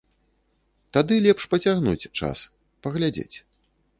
Тады лепш пацягнуць час, паглядзець.